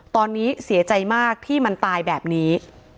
ตอนนี้เสียใจมากที่มันตายแบบนี้